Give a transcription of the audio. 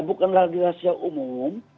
bukanlah di asia umum